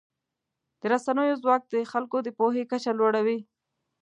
د رسنیو ځواک د خلکو د پوهې کچه لوړوي.